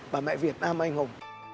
và mẹ việt nam anh hùng